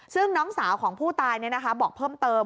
ซึ่งน้องสาวของผู้ตายบอกเพิ่มเติม